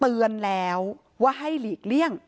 เตือนแล้วว่าให้หลีกเลี่ยง